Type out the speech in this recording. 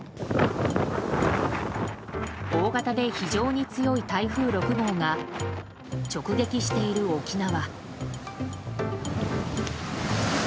大型で非常に強い台風６号が直撃している、沖縄。